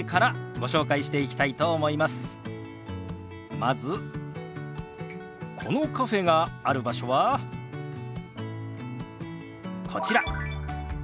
まずこのカフェがある場所はこちら。